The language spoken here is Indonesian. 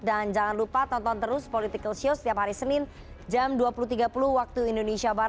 dan jangan lupa tonton terus political show setiap hari senin jam dua puluh tiga puluh wib